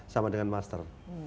sama dengan master